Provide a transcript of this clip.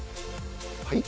はい？